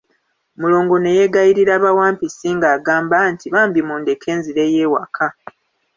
Mulongo ne yeegayirira bawampisi ng'agamba nti, bambi mundeke nzireyo ewaka.